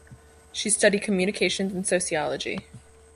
She studied communications and sociology.